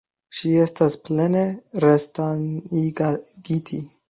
Ŝi estas plene resanigita.